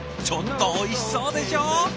ちょっとおいしそうでしょ？